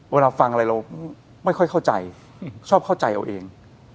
เวลาฟังอะไรเราไม่ค่อยเข้าใจชอบเข้าใจเอาเอง